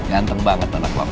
ganteng banget anak bapak